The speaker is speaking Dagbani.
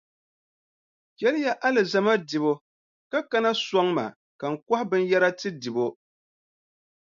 Chɛliya alizama dibu ka kana sɔŋ ma ka n kɔhi binyɛra n-ti Debo.